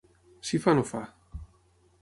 Si fa no fa.